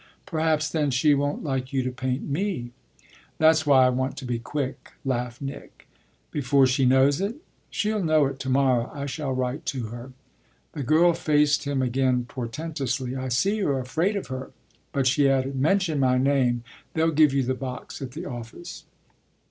Perhaps then she won't like you to paint me." "That's why I want to be quick!" laughed Nick. "Before she knows it?" "Shell know it to morrow. I shall write to her." The girl faced him again portentously. "I see you're afraid of her." But she added: "Mention my name; they'll give you the box at the office."